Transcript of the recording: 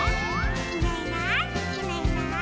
「いないいないいないいない」